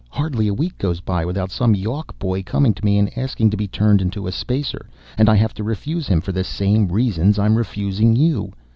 Hardly a week goes by without some Yawk boy coming to me and asking to be turned into a Spacer, and I have to refuse him for the same reasons I'm refusing you!